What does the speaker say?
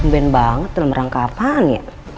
bambang banget dalam rangka apaan ya